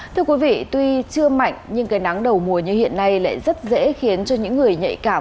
thưa quý vị tuy chưa mạnh nhưng cái nắng đầu mùa như hiện nay lại rất dễ khiến cho những người nhạy cảm